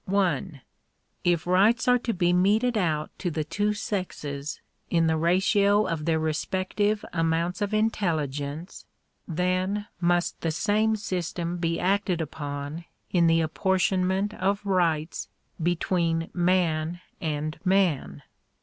1. If rights are to be meted out to the two sexes in the ratio of their respective amounts of intelligence, then must the same system be acted upon in the apportionment of rights between man and man.